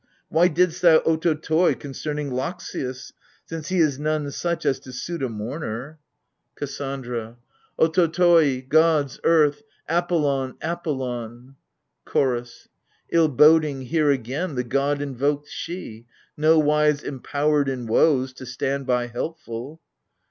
Why didst thou " ototoi " concerning Loxias ? Since he is none such as to suit a mourner. AGAMEMNON: 87 KASSANDRA. Otototoi, Gods, Earth, — Apollon, Apollon ! CHORDS. Ill boding here again the god invokes she "*— Nowise empowered in woes to stand by helpful.